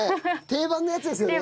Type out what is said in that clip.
定番のやつですよね。